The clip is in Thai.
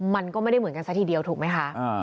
มันก็ไม่ได้เหมือนกันซะทีเดียวถูกไหมคะ